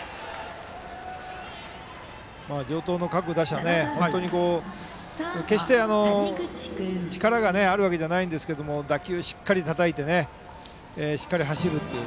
城東の各打者は本当に力があるわけではないんですが打球しっかりたたいてしっかり走るという。